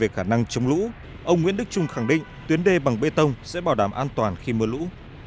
về khả năng chống lũ ông nguyễn đức trung khẳng định tuyến đê bằng bê tông sẽ bảo đảm an toàn khi mưa lũ